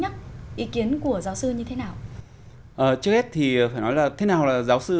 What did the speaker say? trước hết thì phải nói là thế nào là giáo sư